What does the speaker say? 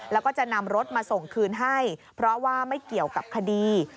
แล้วก็จะนำรถมาส่งคืนให้เพราะว่าไม่เกี่ยวกับคดี